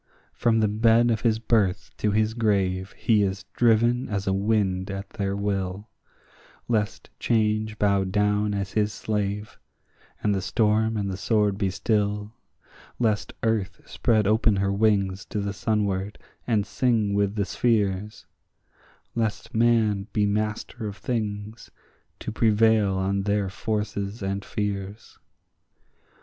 From the bed of his birth to his grave he is driven as a wind at their will; Lest Change bow down as his slave, and the storm and the sword be still; Lest earth spread open her wings to the sunward, and sing with the spheres; Lest man be master of things, to prevail on their forces and fears.